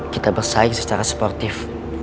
kita bersaing secara sportif